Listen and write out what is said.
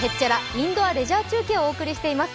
インドアレジャー中継」をお送りしています。